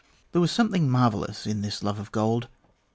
There was something marvellous in this love of gold.